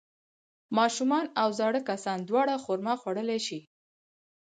ماشومان او زاړه کسان دواړه خرما خوړلی شي.